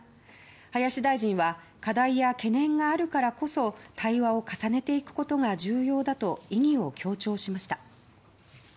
林大臣は課題や懸念があるからこそ対話を重ねていくことが重要だと意義を強調しました。